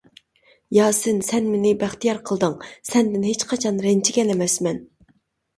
ياسىن، سەن مېنى بەختىيار قىلدىڭ، سەندىن ھېچقاچان رەنجىگەن ئەمەسمەن.